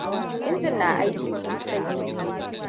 Injin na aiki sosai.